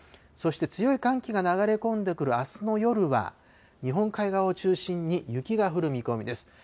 そして強い寒気が流れ込んでくるあすの夜は、日本海側を中心に雪が降る見込みです。